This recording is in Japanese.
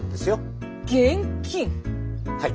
はい。